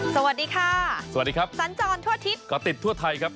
สวัสดีค่ะสวัสดีครับสัญจรทั่วอาทิตย์ก็ติดทั่วไทยครับ